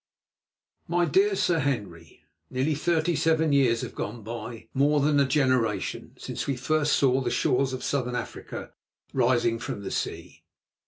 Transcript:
My dear Sir Henry,— Nearly thirty seven years have gone by, more than a generation, since first we saw the shores of Southern Africa rising from the sea.